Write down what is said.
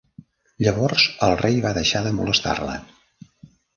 Llavors el rei va deixar de molestar-la.